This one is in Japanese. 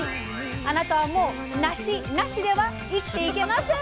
あなたはもう「なし無し」では生きていけません！